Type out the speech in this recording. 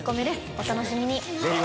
お楽しみに。